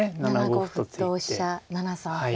７五歩同飛車７三歩。